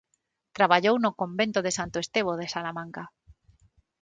Traballou no Convento de Santo Estevo de Salamanca.